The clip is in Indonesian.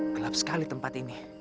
kelap sekali tempat ini